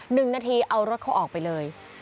หนึ่งนาทีเอารถเขาออกไปเลย